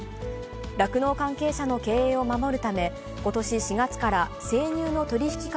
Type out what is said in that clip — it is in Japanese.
酪農関係者の経営を守るため、ことし４月から生乳の取り引き価